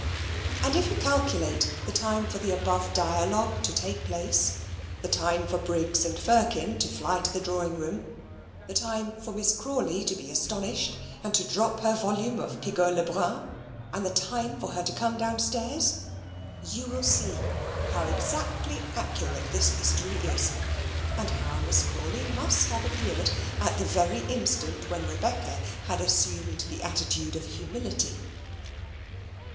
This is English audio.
And if you calculate the time for the above dialogue to take place the time for Briggs and Firkin to fly to the drawing room the time for Miss Crawley to be astonished, and to drop her volume of Pigault le Brun and the time for her to come downstairs you will see how exactly accurate this history is, and how Miss Crawley must have appeared at the very instant when Rebecca had assumed the attitude of humility.